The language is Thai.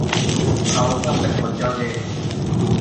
เขาช่างเป็นคนเจ้าเล่ห์